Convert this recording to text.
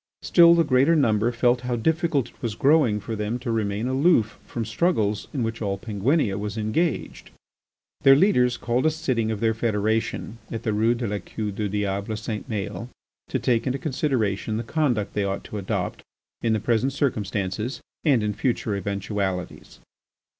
Still the greater number felt how difficult it was growing for them to remain aloof from struggles in which all Penguinia was engaged. Their leaders called a sitting of their federation at the Rue de la Queue du diable St. Maël, to take into consideration the conduct they ought to adopt in the present circumstances and in future eventualities.